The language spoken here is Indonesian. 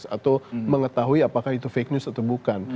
atau mengetahui apakah itu fake news atau bukan